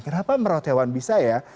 kenapa merawat hewan bisa ya